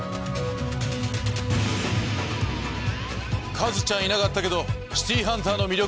カズちゃんいなかったけど『シティーハンター』の魅力